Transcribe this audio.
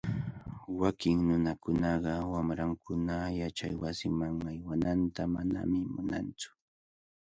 Wakin nunakunaqa wamrankuna yachaywasiman aywananta manami munantsu.